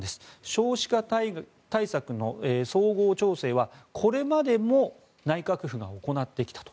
少子化対策の総合調整はこれまでも内閣府が行ってきたと。